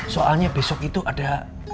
soalnya besok itu ada